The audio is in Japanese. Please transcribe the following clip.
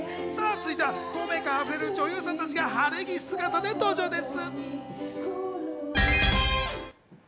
続いては透明感あふれる女優さんたちが晴れ着姿で登場です。